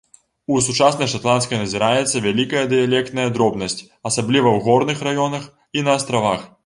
У сучаснай шатландскай назіраецца вялікая дыялектная дробнасць, асабліва ў горных раёнах і на астравах.